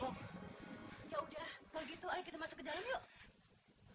yaudah kalau gitu ayo kita masuk ke dalam yuk